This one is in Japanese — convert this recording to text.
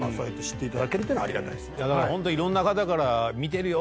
いろんな方から見てるよ